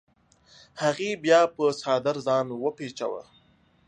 هغې بیا په څادر ځان وپیچوه.